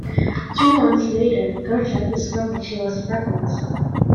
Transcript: Two months later, Garcia discovered she was pregnant.